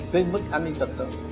tới mức an ninh trật tự